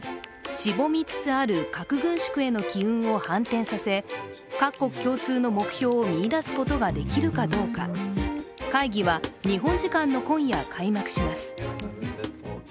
しぼみつつある核軍縮への機運を反転させ各国共通の目標を見いだすことができるかどうか、会議は日本時間の今夜、開幕します